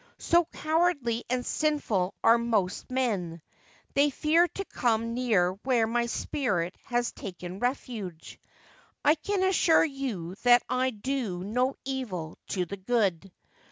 So cowardly and sinful are most men, they fear to come near where my spirit has taken refuge. I can assure you that I do no evil to the good.